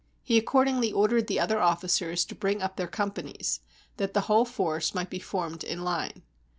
He accordingly ordered the other officers to bring up their companies, that the whole force might be formed in line.